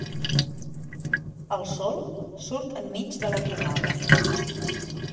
El sol surt enmig de la tronada.